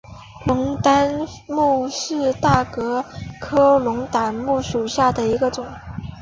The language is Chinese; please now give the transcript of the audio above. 龙胆木为大戟科龙胆木属下的一个种。